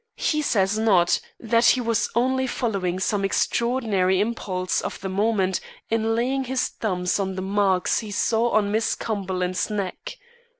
He says not; that he was only following some extraordinary impulse of the moment in laying his thumbs on the marks he saw on Miss Cumberland's neck.